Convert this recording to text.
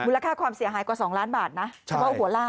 มูลค่าความเสียหายกว่าสองล้านบาทนะเพราะว่าหัวลาก